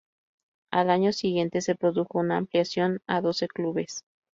Al año siguiente se produjo una ampliación a doce clubes.